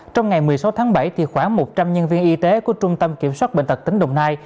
trong ngày một mươi sáu tháng bảy khoảng một trăm linh nhân viên y tế của trung tâm kiểm soát bệnh tật tỉnh đồng nai